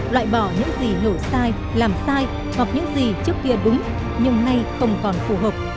loại bỏ những gì hiểu sai làm sai hoặc những gì trước kia đúng nhưng nay không còn phù hợp